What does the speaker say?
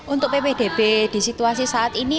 untuk ppdb di situasi saat ini